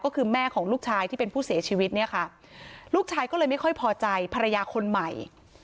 ก็คือแม่ของลูกชายที่เป็นผู้เสียชีวิตเนี่ยค่ะลูกชายก็เลยไม่ค่อยพอใจภรรยาคนใหม่